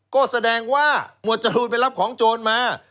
ก็แสดงว่าหมวดจรูนไปรับของโจรมา